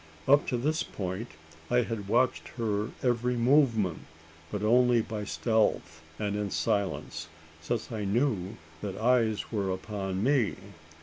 Up to this point, I had watched her every movement. But only by stealth and in silence: since I knew that eyes were upon me.